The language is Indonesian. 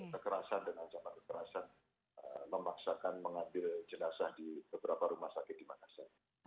kekerasan dan ancaman kekerasan memaksakan mengambil jenazah di beberapa rumah sakit di makassar